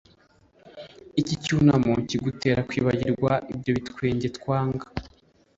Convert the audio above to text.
Iki cyunamo kigutera kwibagirwa ibyo bitwenge twanga